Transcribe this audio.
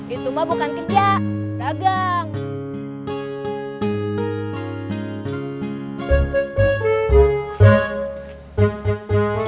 itu mbak bukan kerja ragang